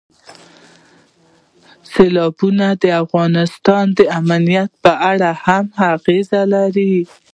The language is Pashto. سیلابونه د افغانستان د امنیت په اړه هم اغېز لري.